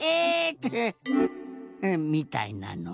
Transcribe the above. ってみたいなの。